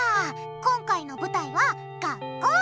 今回の舞台は学校！